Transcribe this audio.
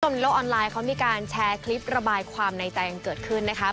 โชว์มีโลกออนไลน์เค้ามีการแชร์คลิประบายความในใจยังเกิดขึ้นนะคะ